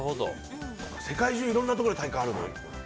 世界中いろんなところで大会あるの？